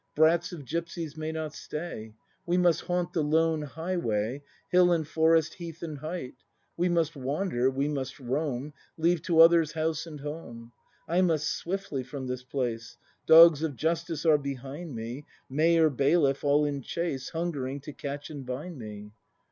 Brats of gipsies may not stay; We must haunt the lone highway. Hill and forest, heath and height; We must wander, we must roam, Leave to others house and home. I must swiftly from this place. Dogs of justice are behind me. Mayor, bailiff, all in chase, Hungering to catch and bind me!